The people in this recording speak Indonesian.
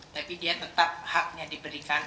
tapi dia tetap haknya diberikan